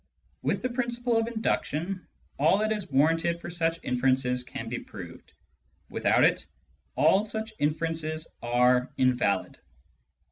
With the principle of induction, all that is wanted for such inferences can be proved ; without it, all such inferences are invalid.